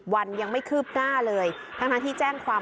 วันยังไม่คืบหน้าเลยทั้งที่แจ้งความ